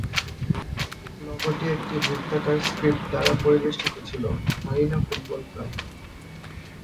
লোগোটি একটি বৃত্তাকার স্ক্রিপ্ট দ্বারা পরিবেষ্টিত ছিল, "আরিনা ফুটবল ক্লাব"।